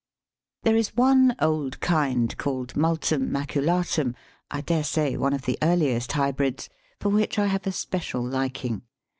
There is one old kind called Multum maculatum I dare say one of the earliest hybrids for which I have a special liking.